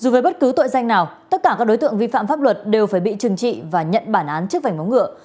dù với bất cứ tội danh nào tất cả các đối tượng vi phạm pháp luật đều phải bị trừng trị và nhận bản án trước vảnh móng ngựa